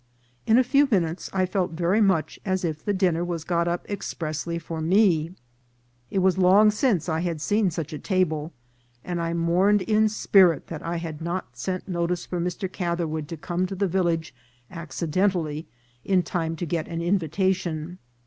In a few minutes I felt very much as if the dinner was got up expressly for me. It was long since I had seen such a table, and I mourned DINNER CUSTOMS. 333 in spirit that I had not sent notice for Mr. Catherwood to come to the village accidentally in time to get an in vitation.